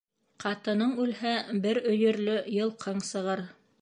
Ҡатының үлһә, бер өйөрлө йылҡың сығыр.